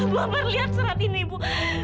belum berlihat serat ini bu